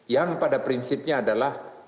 yang pada prinsipnya adalah